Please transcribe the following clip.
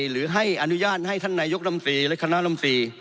หรือให้อนุญาตให้ท่านนายกรรมตรีและคณะลำตี